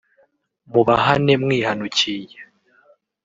mubahane mwihanukiye